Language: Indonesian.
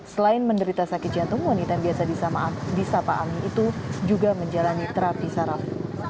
selain menderita sakit jantung wanita yang biasa di sapaan itu juga menjalani terapi saraf